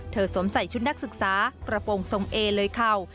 สวมใส่ชุดนักศึกษากระโปรงทรงเอเลยเข่า